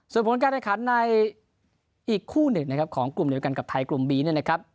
ส่วนผลการแข่งขันในอีกคู่หนึ่งนะครับของกลุ่มเดียวกันกับไทยกลุ่มบีเนี่ยนะครับ